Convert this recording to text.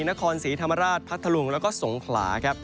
นครศรีธรรมราชพัทธลุงแล้วก็สงขลาครับ